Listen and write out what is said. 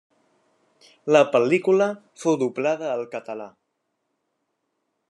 La pel·lícula fou doblada al català.